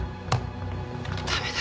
駄目だ。